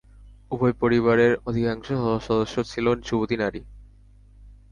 উভয় পরিবারের অধিকাংশ সদস্য ছিল যুবতী নারী।